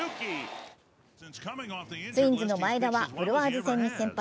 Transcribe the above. ツインズの前田はブルワーズ戦に先発。